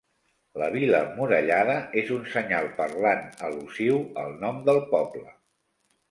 La vila emmurallada és un senyal parlant al·lusiu al nom del poble.